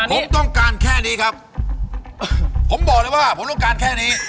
ผมต้องการแค่นี้ครับผมบอกเลยว่าผมต้องการแค่นี้